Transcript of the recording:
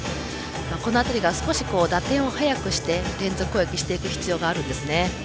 この辺りが打点を強くして連続攻撃していく必要があるんですね。